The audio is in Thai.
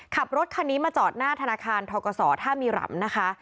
ขับรถคันนี้มาจอดหน้าธนาคารทกศท่ามีหลำนะคะ